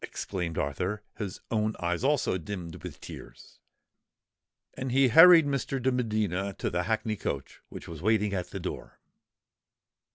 exclaimed Arthur, his own eyes also dimmed with tears. And he hurried Mr. de Medina to the hackney coach, which was waiting at the door.